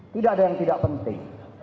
tidak ada yang tidak penting